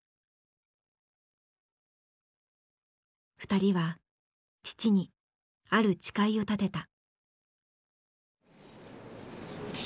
２人は父にある誓いを立てた。